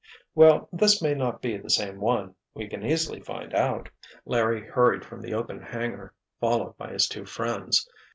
"Well, this may not be the same one—we can easily find out." Larry hurried from the open hangar, followed by his two friends.